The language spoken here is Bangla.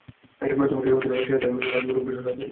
তুমি জসীম উদ্দিনের নকশী কাথার মাঠ, মুঠো মুঠো সোনার ধুলি।